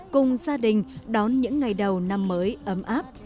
cùng gia đình đón những ngày đầu năm mới ấm áp